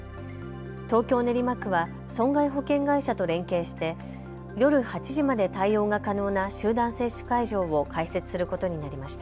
東京練馬区は損害保険会社と連携して夜８時まで対応が可能な集団接種会場を開設することになりました。